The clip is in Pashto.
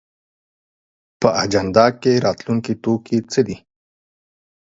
په اجنډا کې راتلونکی توکي څه دي؟